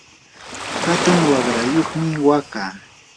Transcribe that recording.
hatun waqrayuqmi wakaa.